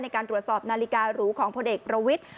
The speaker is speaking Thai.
ในการตรวจสอบนาฬิการูของพลเอกประวิทธิ